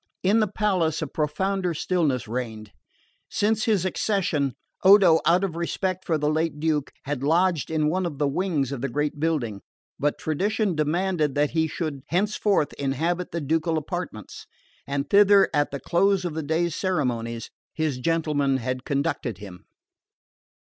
In the palace a profounder stillness reigned. Since his accession Odo, out of respect for the late Duke, had lodged in one of the wings of the great building; but tradition demanded that he should henceforth inhabit the ducal apartments, and thither, at the close of the day's ceremonies, his gentlemen had conducted him.